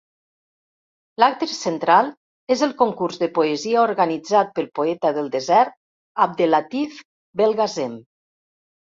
L'acte central és el concurs de poesia organitzat pel poeta del desert, Abdellatif Belgacem.